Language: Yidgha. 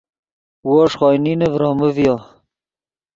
وو ݰے خوئے نینے ڤرومے ڤیو